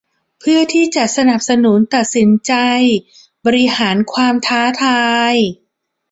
เพื่อที่จะสนับสนุนตัดสินใจบริหารความท้าทาย